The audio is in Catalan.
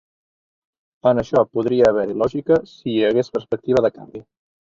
En això podria haver-hi lògica si hi hagués perspectiva de canvi.